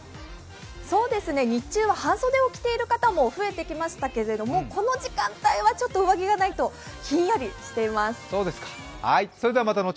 日中は半袖を着ている方も増えてきましたけれどもこの時間帯はちょっと、上着がないとひんやりしています。